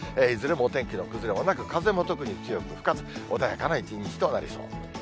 いずれもお天気の崩れもなく、風も特に強く吹かず、穏やかな一日となりそう。